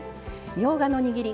みょうがのにぎり。